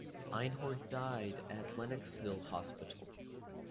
Einhorn died at Lenox Hill Hospital.